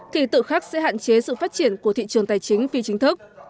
thì tự khắc sẽ hạn chế sự phát triển của thị trường tài chính phi chính thức